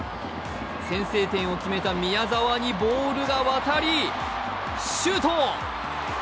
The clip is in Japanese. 先制点を決めた宮澤にボールが渡り、シュート。